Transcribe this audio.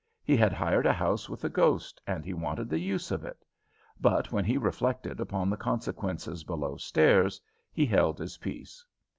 He had hired a house with a ghost, and he wanted the use of it; but when he reflected upon the consequences below stairs, he held his peace.